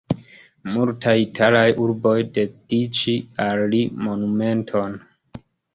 Multaj italaj urboj dediĉi al li monumenton.